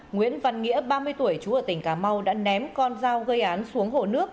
nguyễn văn nghĩa ba mươi tuổi chú ở tỉnh cà mau đã ném con dao gây án xuống hồ nước